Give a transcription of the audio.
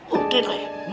uuhh tidak ya